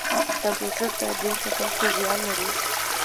کمپیوټر ته ډیر کتل څه زیان لري؟